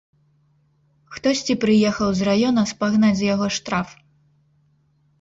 Хтосьці прыехаў з раёна спагнаць з яго штраф.